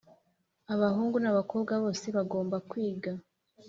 Abahungu n’abakobwa bose bagomba kwiga.